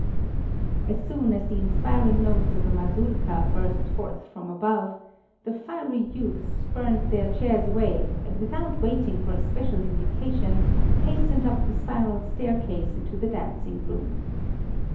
As soon as the inspiring notes of a mazurka burst forth from above, the fiery youths spurned their chairs away, and without waiting for a special invitation, hastened up the spiral staircase into the dancing room.